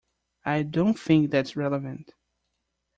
I don't think that's relevant.